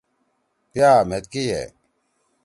پیا مھید کے یے۔